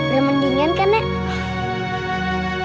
remendingan kan nek